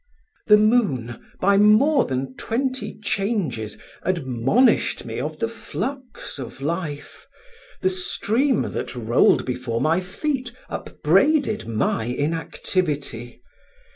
The moon, by more than twenty changes, admonished me of the flux of life; the stream that rolled before my feet upbraided my inactivity.